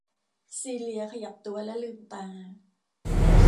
ซีเลียขยับตัวและลืมตา